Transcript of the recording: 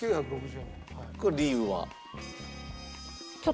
これ理由は？